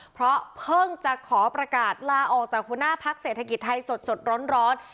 เพราะเพิ่งจะขอประกาศลาออกจากหัวหน้าพักเศรษฐกิจไทยสดร้อน